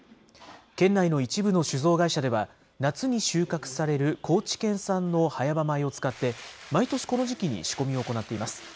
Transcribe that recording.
県内の一部の酒造会社では、夏に収穫される高知県産の早場米を使って、毎年この時期に仕込みを行っています。